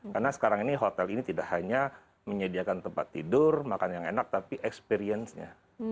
karena sekarang ini hotel ini tidak hanya menyediakan tempat tidur makan yang enak tapi experience nya